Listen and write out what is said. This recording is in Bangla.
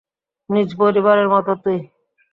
নিজ পরিবারের মত তুই।